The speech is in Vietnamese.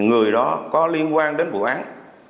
người đó có liên quan đến vụ án